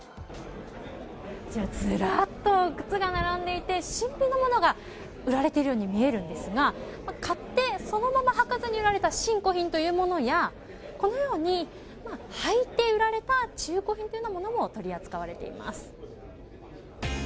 ずらっと靴が並んでいて新品の物が売られているように見えるんですが買ってそのまま履かずに売られた新古品というものやこのように履いて売られた中古品というのも取り扱われています。